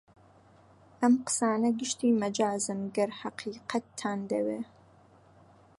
ئەم قسانە گشتی مەجازن گەر حەقیقەتتان دەوێ